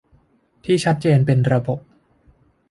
ที่ชัดเจนเป็นระบบ